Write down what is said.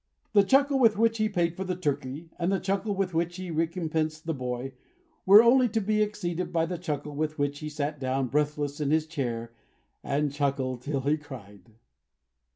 The chuckle with which he paid for the Turkey, and the chuckle with which he recompensed the boy, were only to be exceeded by the chuckle with which he sat down breathless in his chair again, and chuckled till he cried.